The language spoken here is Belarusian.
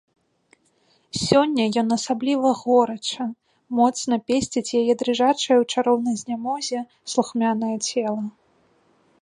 Сёння ён асабліва горача, моцна песціць яе дрыжачае ў чароўнай знямозе, слухмянае цела.